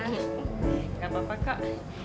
nggak apa apa kak